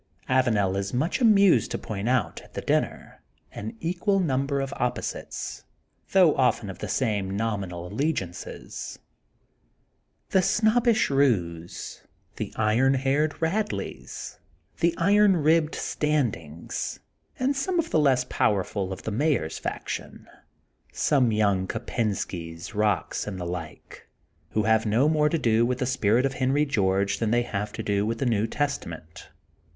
Avanel is much amused to point out at the dinner an equal number of opposites, though often of the same nominal allegiances, the snobbish Eues, the wire haired Badleys, the iron ribbed Standings, and some of the less powerful of the mayor's faction, some young Koi>enskys, Bocks, and the like, who have no more to do with the spirit of Henry George than they have to do with the New Testament.